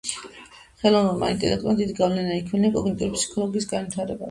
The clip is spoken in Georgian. ხელოვნურმა ინტელექტმა დიდი გავლენა იქონია კოგნიტური ფსიქოლოგიის განვითარებაზე.